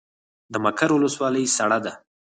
د مقر ولسوالۍ سړه ده